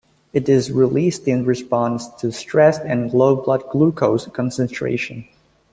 It is released in response to stress and low blood-glucose concentration.